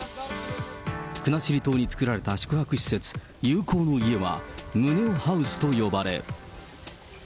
国後島に作られた宿泊施設、友好の家は、ムネオハウスと呼ばれ。